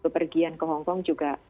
pergian ke hongkong juga